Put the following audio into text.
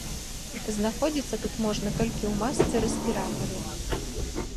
Знаходзіцца тут можна толькі ў масцы-рэспіратары.